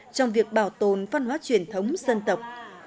trong việc bảo tồn văn hóa truyền thống dân tộc